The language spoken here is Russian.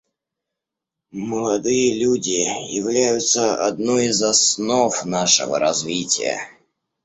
Молодые люди являются одной из основ нашего развития.